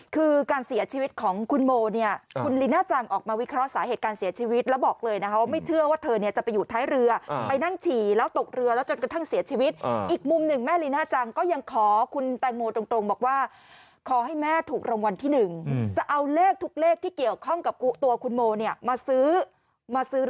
คือการเสียชีวิตของคุณโมเนี่ยคุณลีน่าจังออกมาวิเคราะห์สาเหตุการเสียชีวิตแล้วบอกเลยนะคะว่าไม่เชื่อว่าเธอเนี่ยจะไปอยู่ท้ายเรือไปนั่งฉี่แล้วตกเรือแล้วจนกระทั่งเสียชีวิตอีกมุมหนึ่งแม่ลีน่าจังก็ยังขอคุณแตงโมตรงบอกว่าขอให้แม่ถูกรางวัลที่๑จะเอาเลขทุกเลขที่เกี่ยวข้องกับตัวคุณโมเนี่ยมาซื้อมาซื้อ